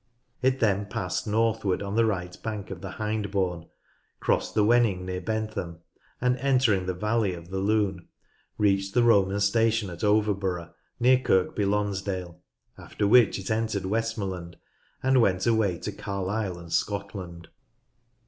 It then passed northward on the right bank of the Hindburn, crossed the Wenning near Bentham, and entering the valley of the Lune, reached the Roman station at Overborough near Kirlcby Lonsdale, after which it entered Westmorland, and went away to Carlisle and Scotland.